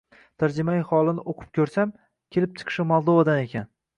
Tarjimai holini o‘qib ko‘rsam, kelib chiqishi Moldovadan ekan.